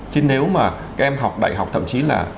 chứ nếu mà các em học đại học thậm chí là